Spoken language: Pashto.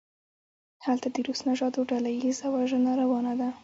هلته د روس نژادو ډله ایزه وژنه روانه ده.